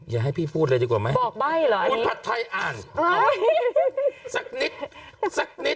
อย่าให้พี่พูดเลยดีกว่าไหมพูดผัดไทยอ่านสักนิด